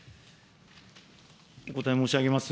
お答え申し上げます。